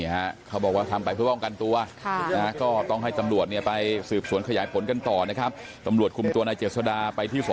ยิงตรงไหนเขานะ